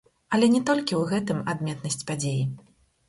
Але не толькі ў гэтым адметнасць падзеі.